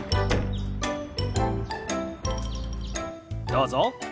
どうぞ。